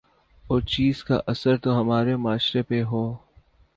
اور چیز کا اثر تو ہمارے معاشرے پہ ہو